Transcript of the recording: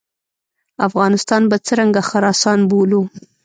افغانستان به څرنګه خراسان بولو.